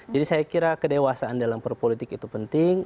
jadi saya kira kedewasaan dalam perpolitik itu penting